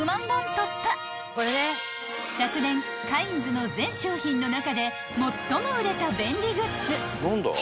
［昨年カインズの全商品の中で最も売れた便利グッズ］